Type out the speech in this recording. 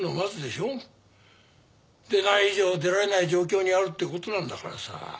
出ない以上出られない状況にあるって事なんだからさ。